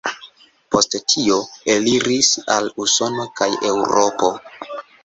Post tio, eliris al Usono kaj Eŭropo.